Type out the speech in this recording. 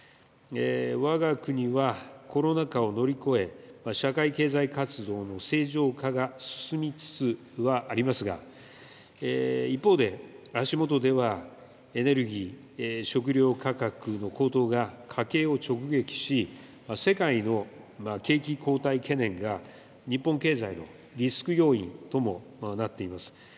わが国はコロナ禍を乗り越え、社会経済活動の正常化が進みつつはありますが、一方で足元ではエネルギー、食料価格の高騰が家計を直撃し、世界の景気後退懸念が日本経済のリスク要因ともなっています。